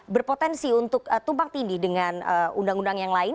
berpotensi untuk tumpang tindih dengan undang undang yang lain